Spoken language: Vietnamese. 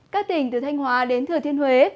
các tỉnh từ thanh hóa đến thừa thiên huế